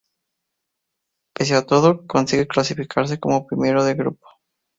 Pese a todo, consigue clasificarse como primero de grupo.